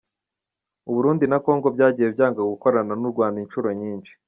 U Burundi na Congo byagiye byanga gukorana n’u Rwanda inshuro nyinshi.